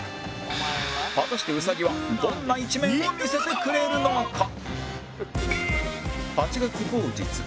果たして兎はどんな一面を見せてくれるのか？